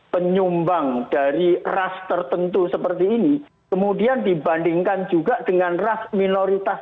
penyumbang dari ras tertentu seperti ini kemudian dibandingkan juga dengan ras minoritas